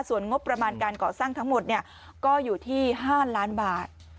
ส่วนงบประมาณการก่อสร้างทั้งหมดก็อยู่ที่๕ล้านบาท